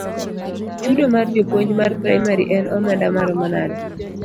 Chudo mar japuonj mar praimari en omenda maromo nade?